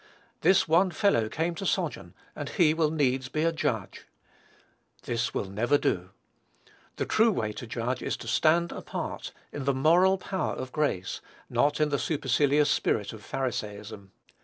"This one fellow came in to sojourn, and he will needs be a judge." This will never do. The true way to judge is to stand apart, in the moral power of grace, not in the supercilious spirit of Pharisaism.